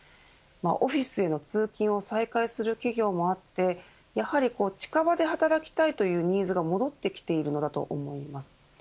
オフィスへの通勤を再開する企業もあってやはり近場で働きたいというニーズが戻ってきているのだと思います。